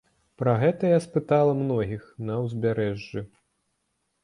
Пра гэта я спытала многіх на ўзбярэжжы.